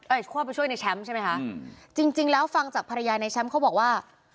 เข้าไปช่วยในแชมป์ใช่ไหมคะอืมจริงจริงแล้วฟังจากภรรยาในแชมป์เขาบอกว่า